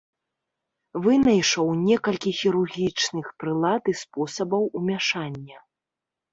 Вынайшаў некалькі хірургічных прылад і спосабаў умяшання.